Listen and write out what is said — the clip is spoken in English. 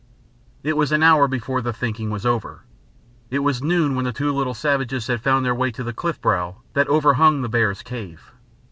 It was an hour before the thinking was over; it was noon when the two little savages had found their way to the cliff brow that overhung the bears' cave.